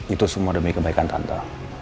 itu semua demi kebaikan tantang